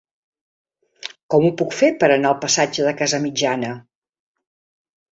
Com ho puc fer per anar al passatge de Casamitjana?